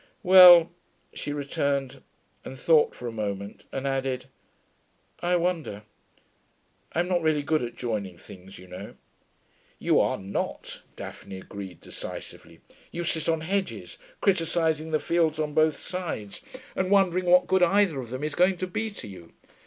'Well,' she returned, and thought for a moment, and added, 'I wonder. I'm not really good at joining things, you know.' 'You are not,' Daphne agreed, decisively. 'You sit on hedges, criticising the fields on both sides and wondering what good either of them is going to be to you.